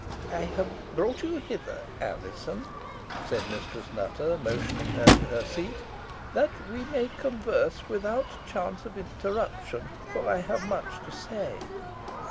"I have brought you hither, Alizon," said Mistress Nutter, motioning her to a seat, "that we may converse without chance of interruption, for I have much to say.